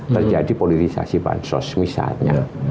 terjadi politisasi bansos misalnya